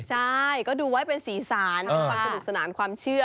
ใช่ก็ดูไว้เป็นสีสารเป็นความสนุกสนานความเชื่อ